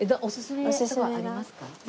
おすすめとかありますか？